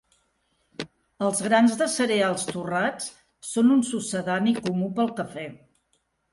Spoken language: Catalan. Els grans de cereals torrats són un succedani comú pel cafè.